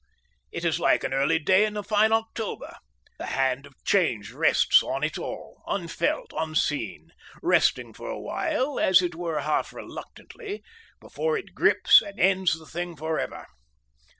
It is like an early day in a fine October. The hand of change rests on it all, unfelt, unseen; resting for awhile, as it were half reluctantly, before it grips and ends the thing for ever.